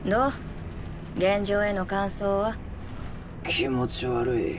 気持ち悪い。